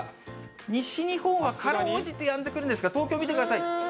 西日本はかろうじてやんでくるんですが、東京見てください。